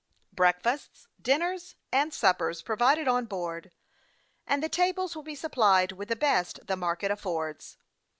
Breakfasts, dinners, and suppers, proA'ided on board ; and the tables will be supplied with the best the market affords.